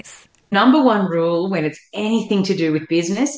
pertama apabila ada hal hal yang berkaitan dengan bisnis